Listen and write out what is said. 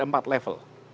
pemerintah itu pemerintah